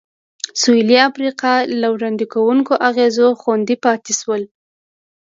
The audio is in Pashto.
سوېلي افریقا له ورانوونکو اغېزو خوندي پاتې شول.